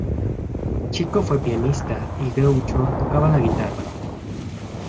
Chico fue pianista, y Groucho tocaba la guitarra.